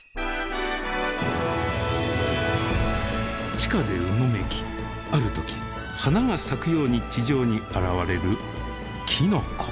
地下でうごめきある時花が咲くように地上に現れるきのこ。